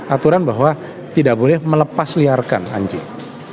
aturan bahwa tidak boleh melepas liarkan anjing